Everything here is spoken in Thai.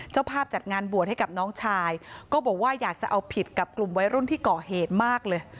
เจ้าภาพจัดงานบวชให้กับน้องชายก็บอกว่าอยากจะเอาผิดกับกลุ่มวัยรุ่นที่ก่อเหตุมากเลย